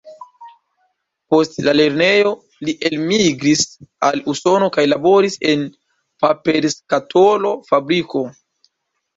Post la lernejo li elmigris al Usono kaj laboris en paperskatol-fabriko.